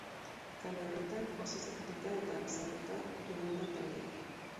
Kale horretan, oso zatituta eta luzatuta joan da taldea.